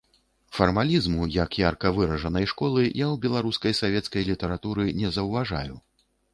Фармалізму, як ярка выражанай школы, я ў беларускай савецкай літаратуры не заўважаю.